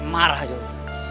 marah aja lu